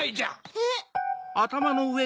えっ？